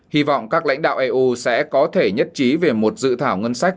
hy vọng các lãnh đạo eu sẽ có thể nhất trí về một dự thảo ngân sách